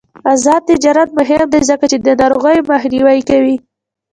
آزاد تجارت مهم دی ځکه چې د ناروغیو مخنیوی کوي.